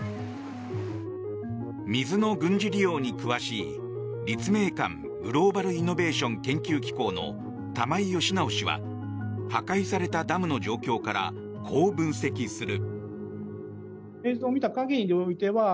水の軍事利用に詳しい立命館グローバル・イノベーション研究機構の玉井良尚氏は破壊されたダムの状況からこう分析する。